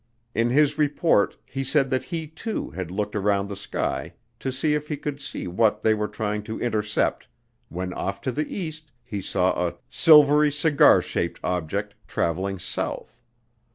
In his report he said that he, too, had looked around the sky to see if he could see what they were trying to intercept when off to the east he saw a "silvery cigar shaped object" traveling south.